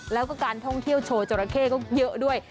แล้วก็การท่องเที่ยวโชว์จราเข้ก็เยอะด้วย